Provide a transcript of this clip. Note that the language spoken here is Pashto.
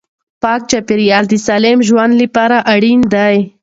پاک چاپیریال د سالم ژوند لپاره اړین دی.